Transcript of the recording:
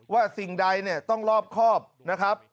สิ่งใดต้องรอบครอบนะครับ